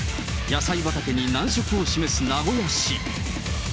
野菜畑に難色を示す名古屋市。